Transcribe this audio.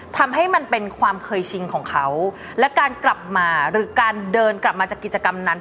ทำให้มันเป็นความเคยชิงของเขาและการกลับมาหรือการเดินกลับมาจากกิจกรรมนั้น